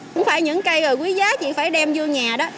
cũng phải những cây rồi quý giá chị phải đem vô nhà đó